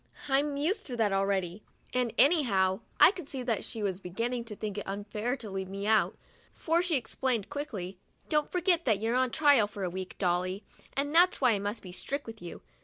I'm used to that al ready, and anyhow, I could see that she was beginning to think it unfair to leave me out, for she explained quickly, " Don't forget that you're on trial for a week, Dolly, and that's why I must be strict with you.